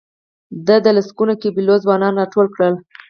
ده د لسګونو قبیلو ځوانان راټول کړل.